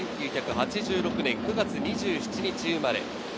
１９８６年９月２７日生まれ。